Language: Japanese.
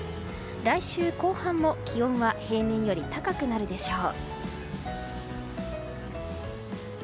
来週後半も気温は平年より高くなるでしょう。